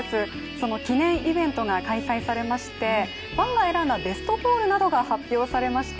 その記念イベントが開催されまして、ファンが選んだベストゴールなどが発表されました。